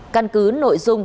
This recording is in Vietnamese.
căn cứ nội dung